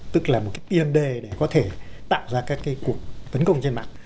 tức là một cái tiên đề để có thể tạo ra các cái cuộc tấn công trên mạng